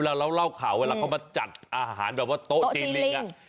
เวลาเราเล่าข่าวเวลาเขามาจัดอาหารแบบว่าโต๊ะจีนลิงโต๊ะจีนลิง